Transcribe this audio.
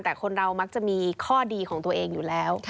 แต่คนเรามักจะมีข้อดีของตัวเองอยู่แล้ว